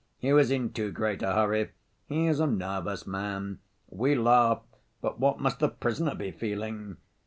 "He was in too great a hurry." "He is a nervous man." "We laugh, but what must the prisoner be feeling?"